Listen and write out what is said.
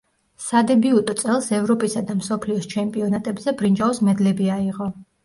სადებიუტო წელს, ევროპისა და მსოფლიოს ჩემპიონატებზე ბრინჯაოს მედლები აიღო.